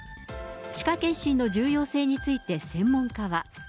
歯科健診の重要性について専門家は。